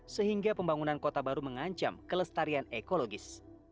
sehingga pembangunan kota baru mengancam kelestarian ekologis